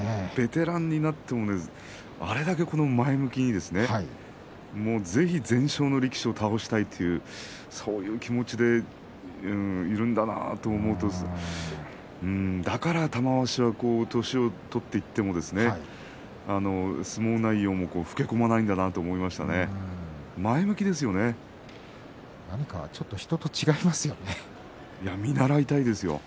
ベテランになってもあれだけ前向きにぜひ全勝の力士を倒したいというそういう気持ちでいるんだなと思うとだから玉鷲は年を取っても相撲内容が老け込まないんだなと何か人と違いますね。